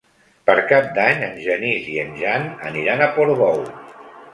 Per Cap d'Any en Genís i en Jan aniran a Portbou.